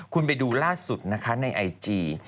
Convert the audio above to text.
คุณไปดูล่าสุดนะคะในไอจี